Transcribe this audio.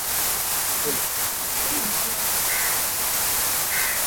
Usijifanye kujuwa na kitu auyuwi